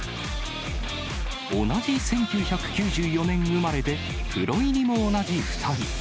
同じ１９９４年生まれで、プロ入りも同じ２人。